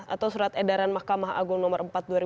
atau surat edaran mahkamah agung nomor empat dua ribu dua